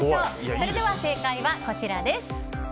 それでは正解こちらです。